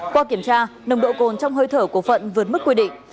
qua kiểm tra nồng độ cồn trong hơi thở của phận vượt mức quy định